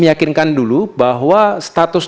meyakinkan dulu bahwa status